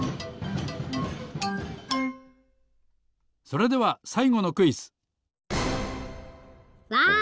それではさいごのクイズ！わなんだ？